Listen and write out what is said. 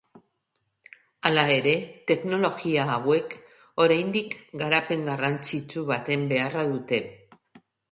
Hala ere teknologia hauek oraindik garapen garrantzitsu baten beharra dute.